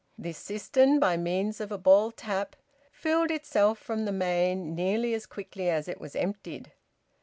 This cistern, by means of a ball tap, filled itself from the main nearly as quickly as it was emptied.